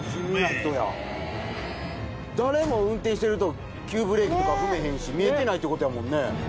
誰も運転してる人急ブレーキとか踏めへんし見えてないってことやもんね。